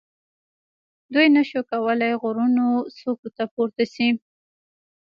دوی نه شوای کولای غرونو څوکو ته پورته شي.